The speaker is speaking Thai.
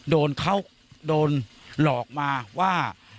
โดนเขาโดนหลอกมาว่า